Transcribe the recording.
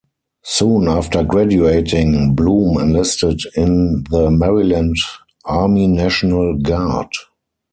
Soon after graduating, Blum enlisted in the Maryland Army National Guard.